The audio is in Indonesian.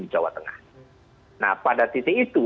jawa tengah nah pada titik itu